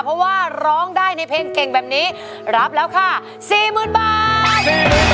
เพราะว่าร้องได้ในเพลงเก่งแบบนี้รับแล้วค่ะ๔๐๐๐บาท